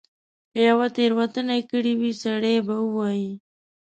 که یوه تیره وتنه کړې وي سړی به ووایي.